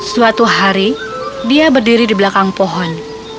suatu hari dia berdiri di belakang pohon